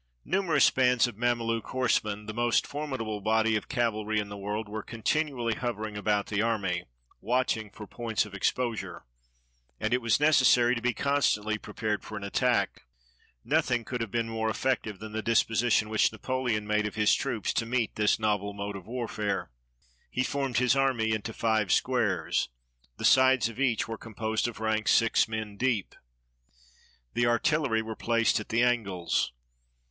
Numerous bands of Mameluke horsemen, the most formidable body of cavalry in the world, were continu ally hovering about the army, watching for points of exposure, and it was necessary to be constantly pre pared for an attack. Nothing could have been more effective than the disposition which Napoleon made of his troops to meet this novel mode of warfare. He formed his army into five squares. The sides of each were composed of ranks six men deep. The artillery were placed at the angles.